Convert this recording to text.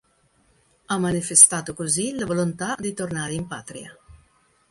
Ha manifestato così la volontà di tornare in patria.